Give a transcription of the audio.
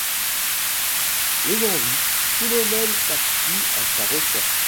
L'ayant vu, Philomèle partit à sa recherche.